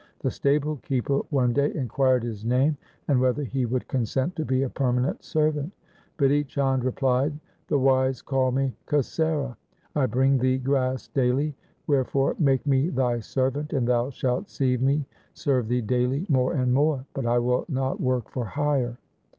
The stable keeper one day inquired his name and whether he would consent to be a permanent servant. Bidhi Chand replied, ' The wise call me Kasera. 1 I bring thee grass daily ; wherefore make me thy servant and thou shalt see me serve thee daily more and more, but I will not work for hire.